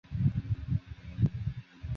拜佛钳羊有尊崇佛山为祖庙的意义。